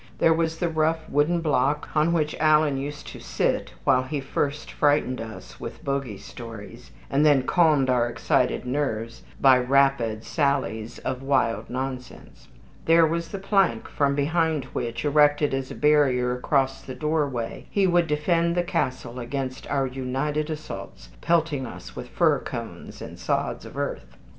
There was the rough wooden block on which Alan used to sit while he first frightened us with bogey stories, and then calmed our excited nerves by rapid sallies of wild nonsense. There was the plank from behind which, erected as a barrier across the doorway, he would defend the castle against our united assault, pelting us with fir cones and sods of earth.